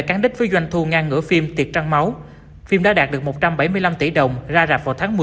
cán đích với doanh thu ngang ngỡ phim tiệc trăng máu phim đã đạt được một trăm bảy mươi năm tỷ đồng ra rạp vào tháng một mươi